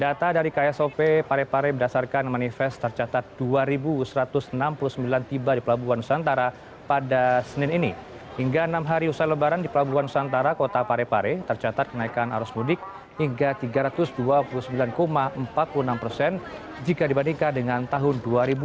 data dari ksop parepare berdasarkan manifest tercatat dua satu ratus enam puluh sembilan tiba di pelabuhan nusantara pada senin ini hingga enam hari usai lebaran di pelabuhan nusantara kota parepare tercatat kenaikan arus mudik hingga tiga ratus dua puluh sembilan empat puluh enam persen jika dibandingkan dengan tahun dua ribu dua puluh